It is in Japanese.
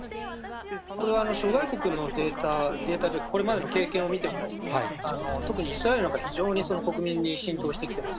これは諸外国のデータ、データというか、これまでの経験を見ても、特にイスラエルなんか、非常に国民に浸透してきてます。